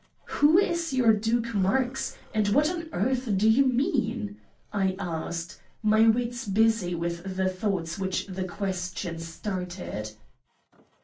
"Who is your Duke Marx, and what on earth do you mean?" I asked, my wits busy with the thoughts which the question started.